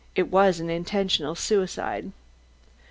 It was an intentional suicide."